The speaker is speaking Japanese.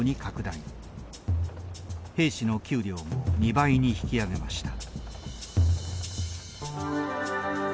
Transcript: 兵士の給料も２倍に引き上げました。